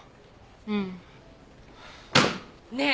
うん。ねえ！